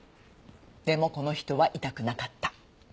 でもこの人は痛くなかった。